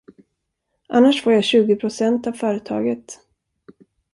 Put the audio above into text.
Annars får jag tjugo procent av företaget.